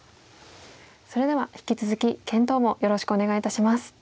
それでは引き続き検討もよろしくお願いいたします。